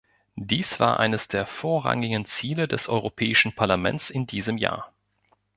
Dies war eines der vorrangigen Ziele des Europäischen Parlaments in diesem Jahr.